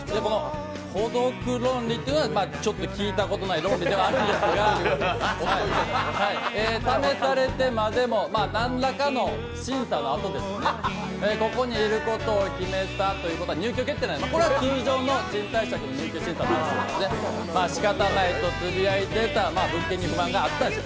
孤独論理というのは、ちょっと聞いたことない論理ではあるんですが、試されてまでも、何らかの審査のあとですね、ここにいることを決めたということは入居決定、これは通常の賃貸借になりますね、仕方ないとつぶやいてというのは、物件に不満があったと。